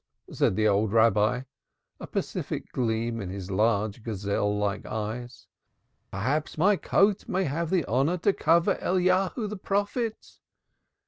said the old Rabbi, a pacific gleam in his large gazelle like eyes. "Perhaps my coat may have the honor to cover Elijah the prophet."